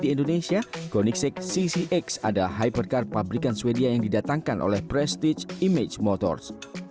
di indonesia gonic enam ccx adalah hypercar pabrikan swedia yang didatangkan oleh prestige image motors